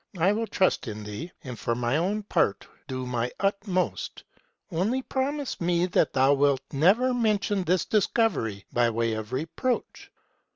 I will trust in thee, and for my own part do my utmost : only promise me that thou wilt never mention this discovery by way of reproach.